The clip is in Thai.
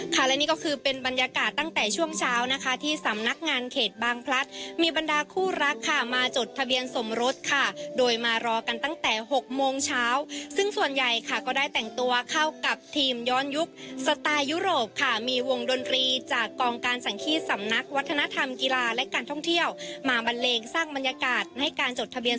ค่ะและนี่ก็คือเป็นบรรยากาศตั้งแต่ช่วงเช้านะคะที่สำนักงานเขตบางพลัดมีบรรดาคู่รักค่ะมาจดทะเบียนสมรสค่ะโดยมารอกันตั้งแต่๖โมงเช้าซึ่งส่วนใหญ่ค่ะก็ได้แต่งตัวเข้ากับทีมย้อนยุคสไตล์ยุโรปค่ะมีวงดนตรีจากกองการสังขี้สำนักวัฒนธรรมกีฬาและการท่องเที่ยวมาบันเลงสร้างบรรยากาศให้การจดทะเบียน